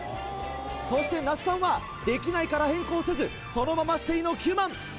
そして那須さんは「できない」から変更せずそのままステイの９万。